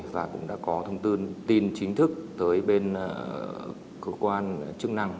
và cũng đã có thông tin chính thức tới bên cơ quan chức năng